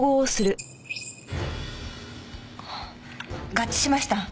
合致しました。